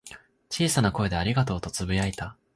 小さな声で「ありがとう」とつぶやいた。